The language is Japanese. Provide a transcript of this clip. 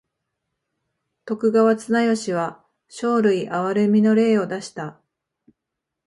徳川綱吉は生類憐みの令を出した。